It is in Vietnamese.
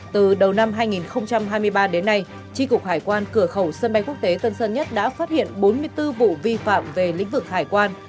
từ đầu năm hai nghìn hai mươi ba đến nay tri cục hải quan cửa khẩu sân bay quốc tế tân sơn nhất đã phát hiện bốn mươi bốn vụ vi phạm về lĩnh vực hải quan